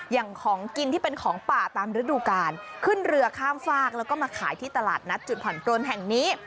อย่างของกินที่เป็นของป่าตามฤดูกาลขึ้นเรือข้ามฝากแล้วก็มาขายที่ตลาดนัดจุดผ่อนปลนแห่งนี้